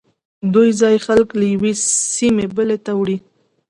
دوی ځایی خلک له یوې سیمې بلې ته وړي